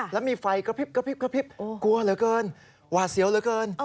แล้วมีไฟกระพริบกลัวเหลือเกินหวาเสียวเหลือเกิน